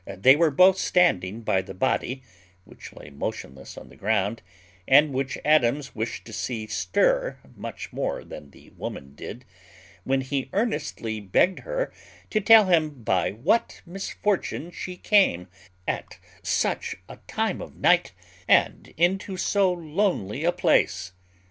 They were both standing by the body, which lay motionless on the ground, and which Adams wished to see stir much more than the woman did, when he earnestly begged her to tell him "by what misfortune she came, at such a time of night, into so lonely a place."